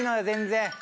全然。